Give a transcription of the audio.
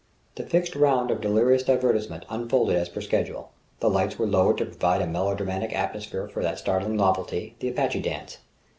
The fixed round of delirious divertissement unfolded as per schedule. The lights were lowered to provide a melodramatic atmosphere for that startling novelty, the Apache Dance.